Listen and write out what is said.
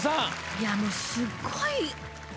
いやもうすっごい。